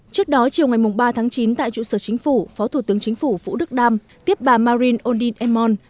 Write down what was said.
trước đó chiều ngày ba chín tại trụ sở chính phủ phó thủ tướng chính phủ vũ đức đam tiếp bà marine odin emon